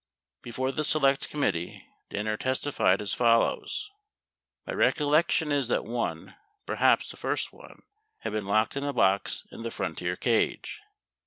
Before the Select Committee, Danner testified as follows: My recollection is that one, perhaps the first one, had been locked in a box in the Frontier cage.